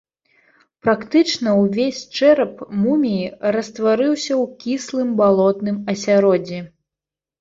Практычна ўвесь чэрап муміі растварыўся ў кіслым балотным асяроддзі.